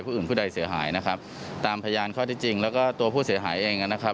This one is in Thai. ผู้อื่นผู้ใดเสียหายนะครับตามพยานข้อที่จริงแล้วก็ตัวผู้เสียหายเองนะครับ